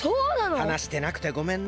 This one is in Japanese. はなしてなくてごめんな。